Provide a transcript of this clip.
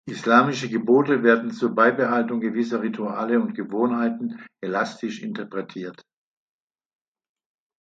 Islamische Gebote werden zur Beibehaltung gewisser Rituale und Gewohnheiten elastisch interpretiert.